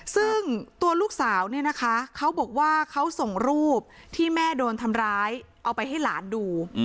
ซึ่งตัวลูกสาวเนี่ยนะคะเขาบอกว่าเขาส่งรูปที่แม่โดนทำร้ายเอาไปให้หลานดู